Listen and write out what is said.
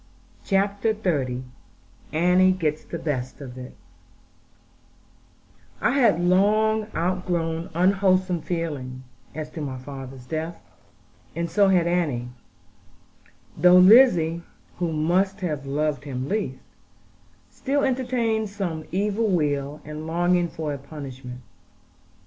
CHAPTER XXX ANNIE GETS THE BEST OF IT I had long outgrown unwholesome feeling as to my father's death, and so had Annie; though Lizzie (who must have loved him least) still entertained some evil will, and longing for a punishment.